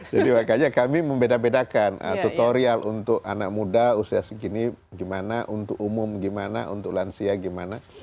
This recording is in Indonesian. jadi makanya kami membeda bedakan tutorial untuk anak muda usia segini gimana untuk umum gimana untuk lansia gimana